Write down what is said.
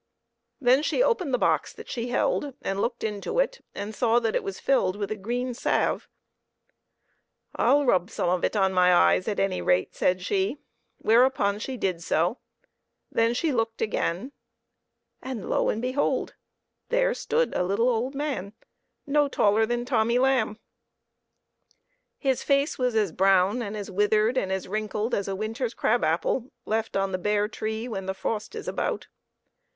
Then she opened the box that she held, and looked into it and saw that it was filled with a green salve. " I'll rub some of it on my eyes, at any rate," said she ; whereupon she did so. Then she looked again, and lo, and behold ! there stood a little old man, no taller than Tommy Lamb. His face was as brown, and as withered, and as wrinkled as a winter's crab apple left on the bare tree when the frost is about.